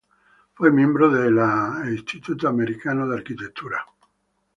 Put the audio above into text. Fue miembro de American Institute of Architects.